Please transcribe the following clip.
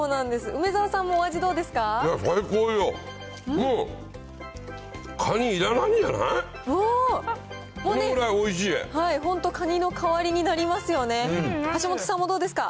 梅沢さんもお味どうですか？